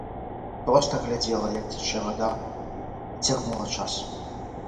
Проста глядзела, як цячэ вада, і цягнула час.